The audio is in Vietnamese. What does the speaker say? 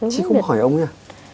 chứ không hỏi ông ấy à